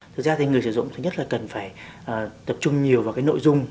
thực ra thì người sử dụng thứ nhất là cần phải tập trung nhiều vào cái nội dung